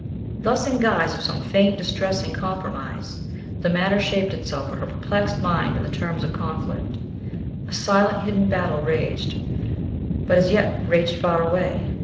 Thus, in guise of some faint, distressing compromise, the matter shaped itself for her perplexed mind in the terms of conflict. A silent, hidden battle raged, but as yet raged far away.